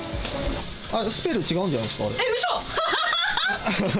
スペル違うんじゃないんですうそ！